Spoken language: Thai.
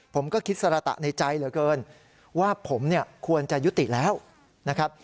ผมก็คิดสระตะในใจเหลือเกินว่าผมเนี่ยควรจะยุติแล้วนะครับ